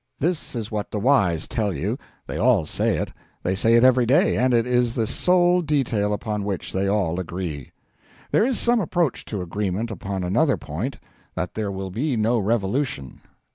This is what the wise tell you; they all say it; they say it every day, and it is the sole detail upon which they all agree. There is some approach to agreement upon another point: that there will be no revolution.